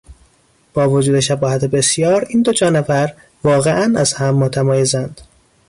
با وجود شباهت بسیار، این دو جانور واقعا از هم متمایزند.